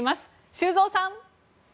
修造さん！